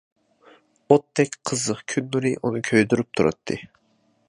ئوتتەك قىزىق كۈن نۇرى ئۇنى كۆيدۈرۈپ تۇراتتى.